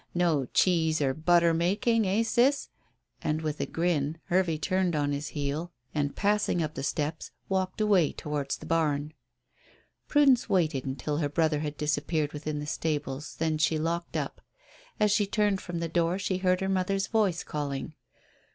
No cheese or butter making, eh, sis?" And, with a grin, Hervey turned on his heel, and, passing up the steps, walked away towards the barn. Prudence waited until her brother had disappeared within the stables; then she locked up. As she turned from the door she heard her mother's voice calling.